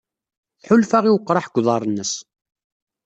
Tḥulfa i weqraḥ deg uḍar-nnes.